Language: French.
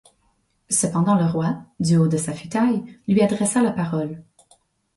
Cependant le roi, du haut de sa futaille, lui adressa la parole.